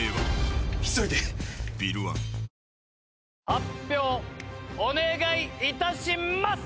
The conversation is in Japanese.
発表お願い致します！